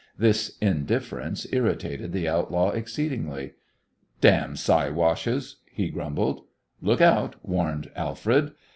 This indifference irritated the outlaw exceedingly. "Damn siwashes!" he grumbled. "Look out!" warned Alfred.